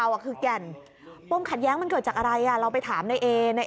คือแก่นปมขัดแย้งมันเกิดจากอะไรอ่ะเราไปถามในเอเนี่ย